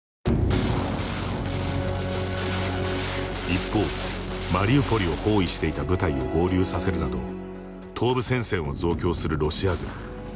一方、マリウポリを包囲していた部隊を合流させるなど東部戦線を増強するロシア軍。